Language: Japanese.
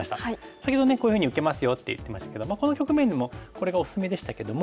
先ほどねこういうふうに受けますよって言ってましたけどもこの局面にもこれがおすすめでしたけども。